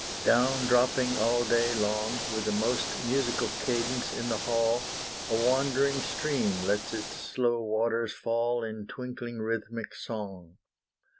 Down dropping all day long, With a most musical cadence in the hall, A wandering stream lets its slow waters fall In twinkling rhythmic song.